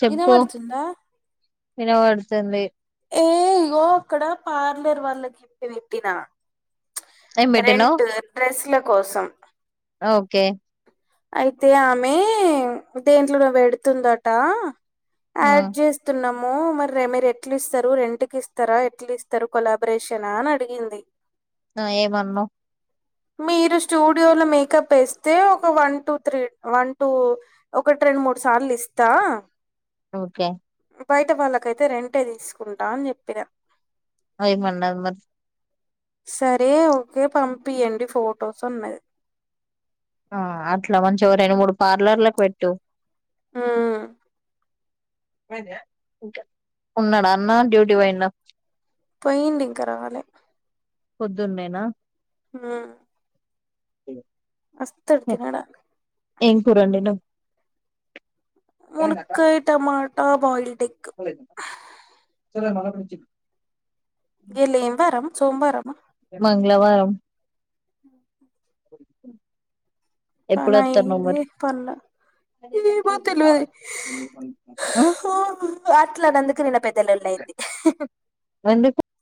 చెప్పు వినబడుతుందా వినబడుతుంది ఏ అయ్యో అక్కడ పార్లర్ వాళ్ళకి ఇంపి పెట్టినా ఏం పెట్టినవ్ రెండు డ్రెస్ లో కోసం ఓకే అయితే ఆమె దేంట్లో నో పెడుతుందట హ్మ్. యాడ్ చేస్తున్నాం మో మరో మీరు ఎట్లి ఇస్తారు రెంటికి ఇస్తారా ఎట్లు ఇస్తారు కొలాబరేషన్ ఆ అని అడిగింది ఆ ఏమన్నావ్ మీరు స్టూడియో లో మేకప్ వేస్తే one two three one two ఒకటి రెండు మూడు సార్లు ఇస్తా ఓకే బయట వాళ్ళకైతే రెంటే తీసుకుంటా అని చెప్పినా అయి మన్నావా మరి సరే ఓకే పంపియండి ఫొటోస్ అన్నది ఆ అట్లా మంచిగా రెండు మూడు పార్లర్లకు పెట్టు ఉమ్ ఉన్నాడా అన్నా డ్యూటీ పోయిండా పోయిండి ఇంకా రాలే పొద్దున్నేనా ఉమ్ వస్తడు తినడానికి ఏం కూరండినవ్ మునక్కాయ టమాట్ ట బాయిల్డ్ ఎగ్ అ స ఆక్రమించిండు [unintelligible] గలె వారం సోమ్ వారమా మంగళవారం ఉహు [unintelligible] పని ఎప్పుడొత్తన్నవ్ అయింది మరి పనుల ఏమో తెలివది ఆ ఆ అట్లనందుకు నిన్న పెద్దలొల్లి అయింది హ్ హు ఎందుకు